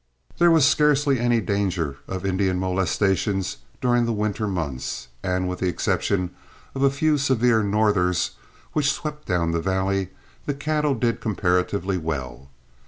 There was scarcely any danger of Indian molestation during the winter months, and with the exception of a few severe "northers" which swept down the valley, the cattle did comparatively well.